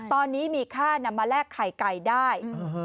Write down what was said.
ตอนนี้มีค่านำมาแลกไข่ไก่ได้